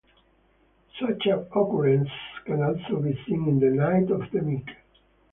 Such occurrences can also be seen in "The Night of the Meek".